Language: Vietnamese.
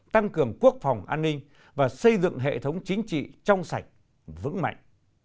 tăng cường quốc phòng an ninh và xây dựng hệ thống chính trị trong sạch vững mạnh